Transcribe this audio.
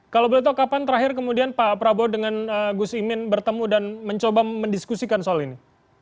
kalau boleh tahu kapan terakhir kemudian pak prabowo dengan gus imin bertemu dan mencoba mendiskusikan soal ini